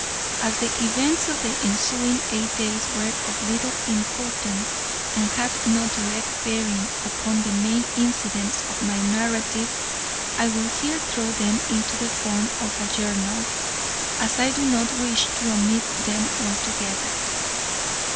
As the events of the ensuing eight days were of little importance, and had no direct bearing upon the main incidents of my narrative, I will here throw them into the form of a journal, as I do not wish to omit them altogether.